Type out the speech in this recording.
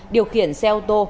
điều khiển xe ô tô